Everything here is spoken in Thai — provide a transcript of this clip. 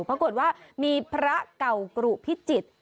ปรากฏว่ามีพระเก่ากรุพิจิตร